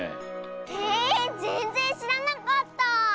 へえぜんぜんしらなかった！